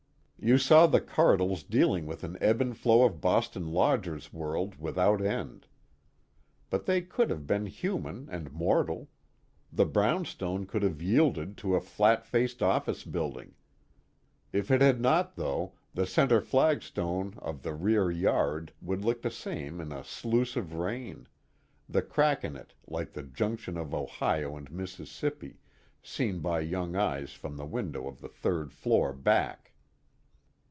You saw the Cardles dealing with an ebb and flow of Boston lodgers world without end. But they could have been human and mortal; the brownstone could have yielded to a flat faced office building. If it had not, though, the center flagstone of the rear yard would look the same in a sluice of rain, the crack in it like the junction of Ohio and Mississippi, seen by young eyes from the window of the third floor back.